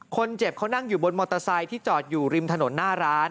คนเจ็บเขานั่งอยู่บนมอเตอร์ไซค์ที่จอดอยู่ริมถนนหน้าร้าน